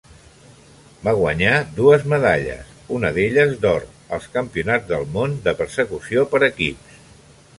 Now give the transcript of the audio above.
Va guanyar dues medalles, una d'elles d'or, als Campionats del món de Persecució per equips.